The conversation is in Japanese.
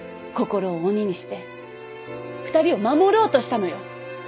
心を鬼にして２人を守ろうとしたのよ。